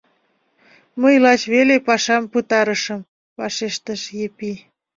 — Мый лач веле пашам пытарышым, — вашештыш Епи.